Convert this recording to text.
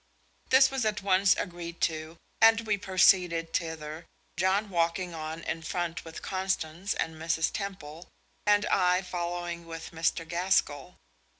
This was at once agreed to, and we proceeded thither, John walking on in front with Constance and Mrs. Temple, and I following with Mr. Gaskell.